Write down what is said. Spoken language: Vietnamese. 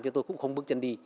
thì tôi cũng không bước chân đi